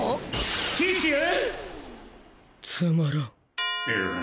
つまらん。